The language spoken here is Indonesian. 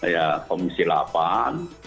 ya komisi lapan